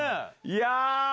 いや。